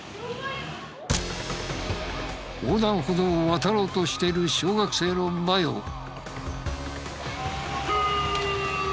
横断歩道を渡ろうとしている小学生の前を。